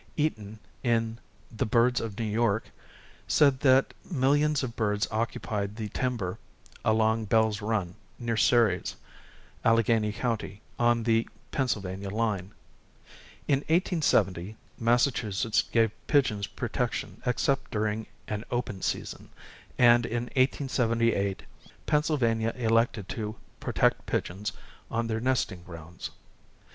Eaton, in "The Birds of New York," said that "millions of birds occupied the timber along Bell's Run, near Ceres, Alleghany County, on the Pennsylvania line." In 1870, Massachusetts gave pigeons protection except during an "open season," and in 1878 Pennsylvania elected to protect pigeons on their nesting grounds.